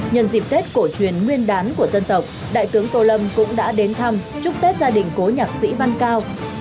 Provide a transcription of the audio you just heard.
nhân dịp tết cổ truyền nguyên đán của dân tộc đại tướng tô lâm cũng đã đến thăm chúc tết gia đình cố nhạc sĩ văn cao